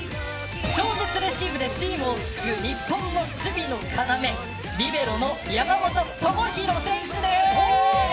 超絶レシーブでチームを救う日本の守備の要リベロの山本智大選手です。